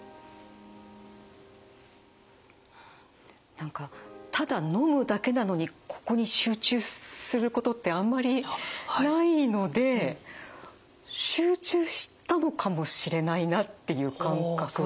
何かただ飲むだけなのにここに集中することってあんまりないので集中したのかもしれないなっていう感覚です。